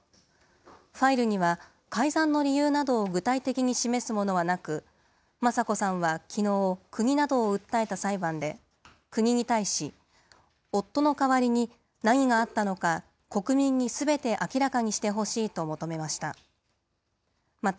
ファイルには、改ざんの理由などを具体的に示すものはなく、雅子さんはきのう、国などを訴えた裁判で、国に対し、夫の代わりに何があったのか国民にすべて明らかにしてほしいと求めました。